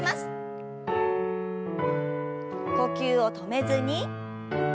呼吸を止めずに。